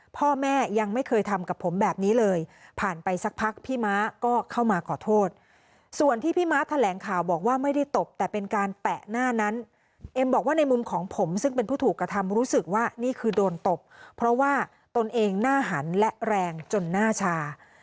พ่อแม่ยังไม่เคยทำกับผมแบบนี้เลยผ่านไปสักพักพี่ม้าก็เข้ามาขอโทษส่วนที่พี่ม้าแถลงข่าวบอกว่าไม่ได้ตบแต่เป็นการแปะหน้านั้นเอ็มบอกว่าในมุมของผมซึ่งเป็นผู้ถูกกระทำรู้สึกว่านี่คือโดนตบเพราะว่าตนเองหน้าหันและแรงจนหน้าชา